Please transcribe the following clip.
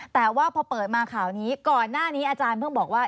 แต่ว่าพอเปิดมาข่าวนี้ก่อนหน้านี้อาจารย์เพิ่งบอกว่า